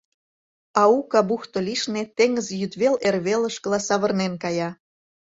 Аука бухто лишне теҥыз йӱдвел-эрвелышкыла савырнен кая.